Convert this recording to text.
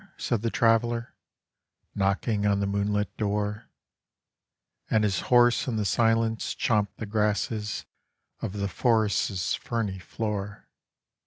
said the Traveler, Knocking on the moonlit door; And his horse in the silence chomped the grasses Of the forest's ferny floor.